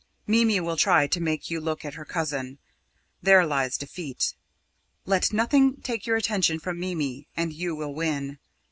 Mimi will try to make you look at her cousin. There lies defeat. Let nothing take your attention from Mimi, and you will win.